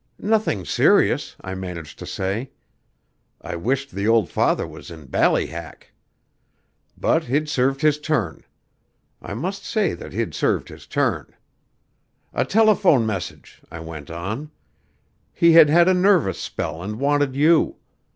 'Nothing serious,' I managed to say. I wished the old father was in ballyhack. But he'd served his turn; I must say that he'd served his turn. 'A telephone message,' I went on. 'He had had a nervous spell and wanted you.